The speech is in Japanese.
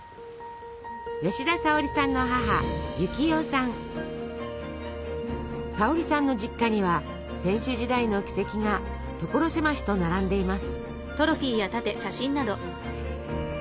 吉田沙保里さんの母沙保里さんの実家には選手時代の軌跡が所狭しと並んでいます。